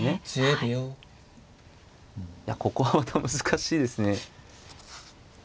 ここはまた難しいですね。